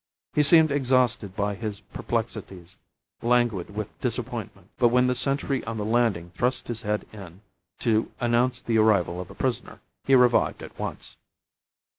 He seemed exhausted by his perplexities, languid with disappointment; but when the sentry on the landing thrust his head in to announce the arrival of a prisoner, he revived at once.